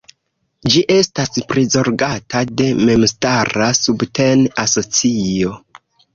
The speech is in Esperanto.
Ĝi estas prizorgata de memstara subten-asocio.